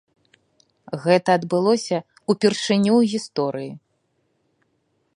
Гэта адбылося ўпершыню ў гісторыі.